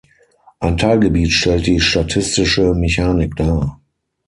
Ein Teilgebiet stellt die statistische Mechanik dar.